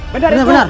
benar benar benar